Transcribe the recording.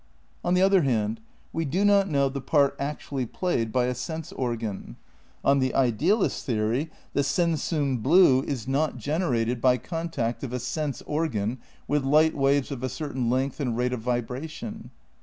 On the other hand, we do not know the part actually played by a sense organ. On the idealist theory the sensum blue is not generated by contact of a sense organ with light waves of a certain length and rate of vibration.